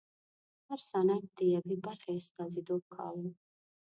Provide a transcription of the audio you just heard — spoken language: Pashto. هر سند د یوې برخې استازیتوب کاوه.